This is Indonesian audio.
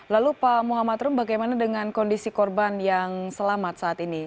lalu pak muhammad rum bagaimana dengan kondisi korban yang selamat saat ini